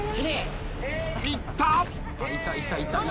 いった。